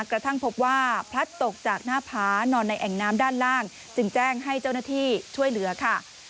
กระทั่งพบว่าพลัดตกจากหน้าผานอนในแอ่งน้ำด้านล่างจึงแจ้งให้เจ้าหน้าที่ช่วยเหลือค่ะ